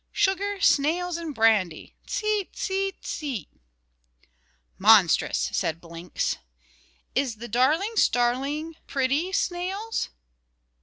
Sugar, snails, and brandy! Tse, tse, tse!" "Monstrous!" said Blinks. "Is the darling starling pretty, snails?"